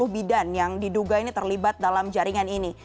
lima puluh bidang yang diduga ini terlibat dalam jaringan ini